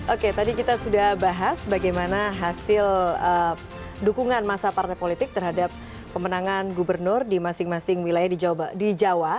oke tadi kita sudah bahas bagaimana hasil dukungan masa partai politik terhadap pemenangan gubernur di masing masing wilayah di jawa